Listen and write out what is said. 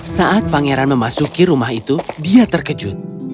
saat pangeran memasuki rumah itu dia terkejut